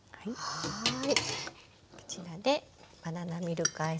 はい。